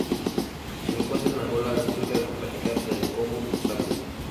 Se encuentra en Angola República Democrática del Congo y Zambia.